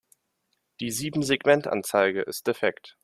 Die Siebensegmentanzeige ist defekt.